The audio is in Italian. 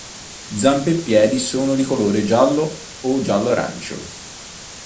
Zampe e piedi sono di colore giallo o giallo-arancio.